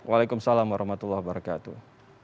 waalaikumsalam warahmatullahi wabarakatuh